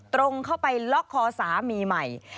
ตรงเข้าไปล็อกคอสามีใหม่